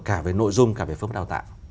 cả về nội dung cả về phương pháp đào tạo